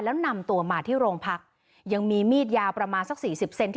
แล้วนำตัวมาที่โรงพักยังมีมีดยาวประมาณสักสี่สิบเซนที่